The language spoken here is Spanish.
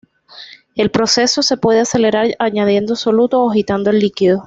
El proceso se pude acelerar añadiendo soluto o agitando el líquido.